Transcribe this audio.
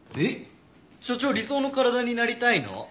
えっ所長「理想のカラダ」になりたいの？